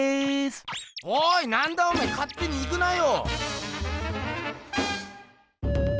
おいなんだおめえかってに行くなよ。